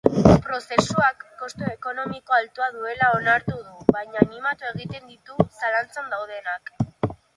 Prozesuak kostu ekonomiko altua duela onartu du baina animatu egiten ditu zalantzan daudenak.